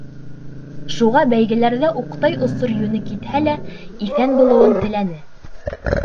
Шуға, бәйгеләрҙә уҡтай осор йүне китһә лә, иҫән булыуын теләне.